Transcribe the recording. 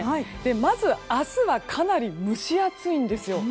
まず、明日はかなり蒸し暑いんですよ。